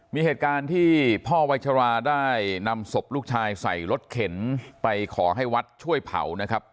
มีเหตุการณ์ที่พ่อวัยชราได้นำศพลูกชายใส่รถเข็นไปขอให้วัดช่วยเผานะครับ